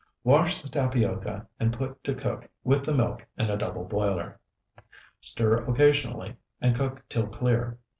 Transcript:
Wash the tapioca and put to cook with the milk in a double boiler; stir occasionally, and cook till clear.